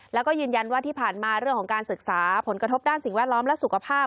แล้วก็ยืนยันว่าที่ผ่านมาเรื่องของการศึกษาผลกระทบด้านสิ่งแวดล้อมและสุขภาพ